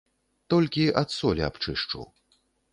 Толькі ад солі абчышчу.